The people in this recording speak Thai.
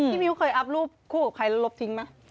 มิ้วเคยอัพรูปคู่กับใครแล้วลบทิ้งไหม